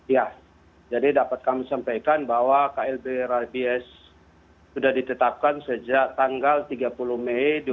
ya jadi dapat kami sampaikan bahwa klb rabies sudah ditetapkan sejak tanggal tiga puluh mei